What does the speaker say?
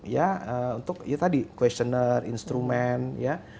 ya untuk ya tadi questionnare instrumen ya